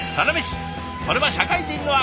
それは社会人の証し！